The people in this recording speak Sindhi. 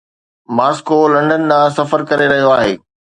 ماسڪو لنڊن ڏانهن سفر ڪري رهيو آهي